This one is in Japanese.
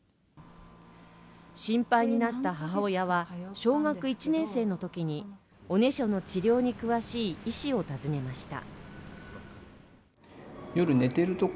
心配になった母親は、小学１年生のときにおねしょの治療に詳しい医師を訪ねました。